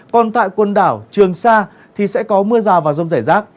còn tại quần đảo trường sa thì sẽ có mưa rào và rông rải rác